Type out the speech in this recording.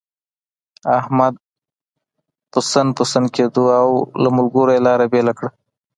احمد پسن پسن کېدو، او له ملګرو يې لاره بېله کړه.